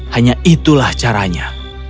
hanya itulah caranya